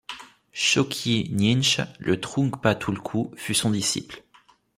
Chökyi Nyinche, le Trungpa Tulkou fut son disciple.